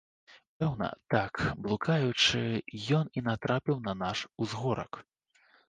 Пэўна, так, блукаючы, ён і натрапіў на наш узгорак.